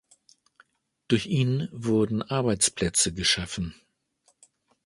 Durch ihn wurden Arbeitsplätze geschaffen.